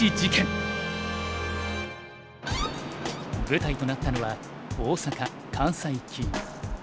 舞台となったのは大阪関西棋院。